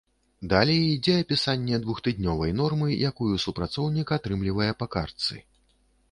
Далей ідзе апісанне двухтыднёвай нормы, якую супрацоўнік атрымлівае па картцы.